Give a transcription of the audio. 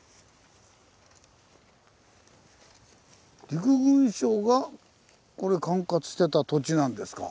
陸軍省がこれ管轄してた土地なんですか？